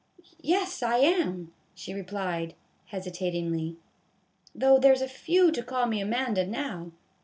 " Yes, I am," she replied, hesitatingly, " though there 's few to call me Amanda now.